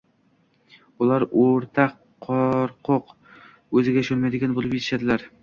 ular o‘ta qo‘rqoq, o‘ziga ishonmaydigan bo‘lib yetishadilar.